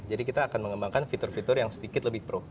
jadi kita akan mengembangkan fitur fitur yang sedikit lebih pro